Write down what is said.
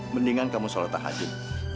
mendingan kamu sholat hajj